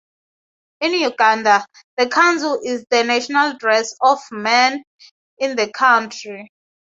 In Uganda, the "kanzu" is the national dress of men in the country.